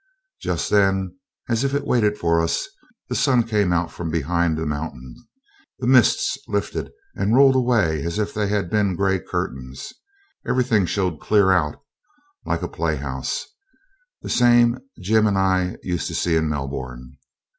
Just then, as if he'd waited for us, the sun came out from behind the mountain; the mists lifted and rolled away as if they had been gray curtains. Everything showed clear out like a playhouse, the same Jim and I used to see in Melbourne.